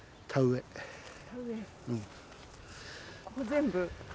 ここ全部？